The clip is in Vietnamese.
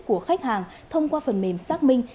của khách hàng thông qua phần mềm xác minh